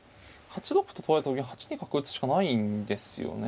８六歩と取られても８二角打つしかないんですよね。